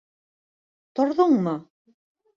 — Торҙоңмо?